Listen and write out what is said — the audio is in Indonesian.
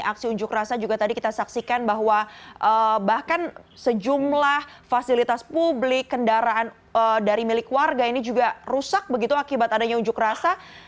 aksi unjuk rasa juga tadi kita saksikan bahwa bahkan sejumlah fasilitas publik kendaraan dari milik warga ini juga rusak begitu akibat adanya unjuk rasa